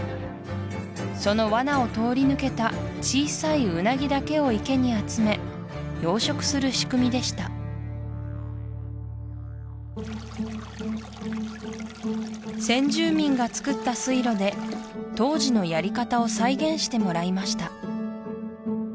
そのワナを通り抜けた小さいウナギだけを池に集め養殖する仕組みでした先住民がつくった水路で当時のやり方を再現してもらいました